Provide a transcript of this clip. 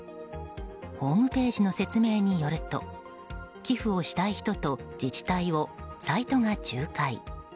ホームページの説明によると寄付をしたい人と自治体をサイトが仲介。